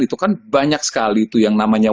itu kan banyak sekali tuh yang namanya